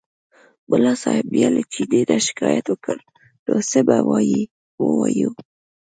ملا صاحب بیا له چیني نه شکایت وکړ نو څه به ووایي.